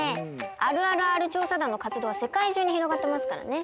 あるあるＲ調査団の活動は世界中に広がってますからね。